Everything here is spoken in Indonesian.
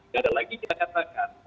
gak ada lagi kita katakan